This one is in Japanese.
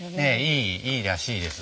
いいらしいです。